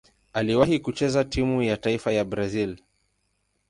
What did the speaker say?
Aliwahi kucheza timu ya taifa ya Brazil.